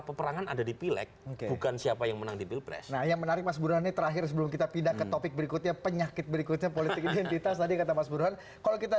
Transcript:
peperangan ada di pilek bukan siapa yang menang di pilpres yang menarik mas burunan ini terakhir sebelum kita pindah ke topik yang paling penting itu adalah